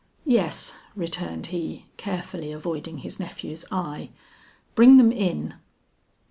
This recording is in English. "Yes," returned he, carefully avoiding his nephew's eye; "bring them in."